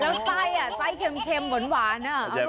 แล้วไส้อ่ะไส้เค็มเหมือนหวานอ่ะอร่อย